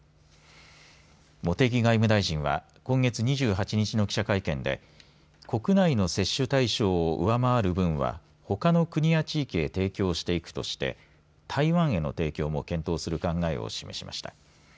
茂木外務大臣は今月２８日の記者会見で国内の接種対象を上回る分はほかの国や地域へ提供していくとして台湾への提供も検討する考えを示しました。